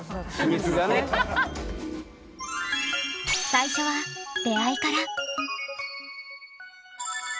最初は出会いから。